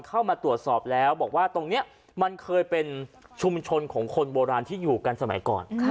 เข้ามาตรวจสอบแล้วบอกว่าตรงนี้มันเคยเป็นชุมชนของคนโบราณที่อยู่กันสมัยก่อน